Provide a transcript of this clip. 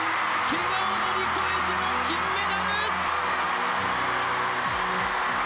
けがを乗り越えての金メダル。